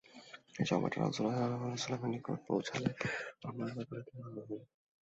এ সংবাদটি রাসূলুল্লাহ সাল্লাল্লাহু আলাইহি ওয়াসাল্লামের নিকট পৌঁছলে আমার ব্যাপারে তিনি নরম হলেন।